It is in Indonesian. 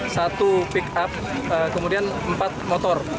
satu pickup kemudian empat motor